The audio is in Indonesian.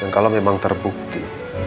dan kalau memang terbukti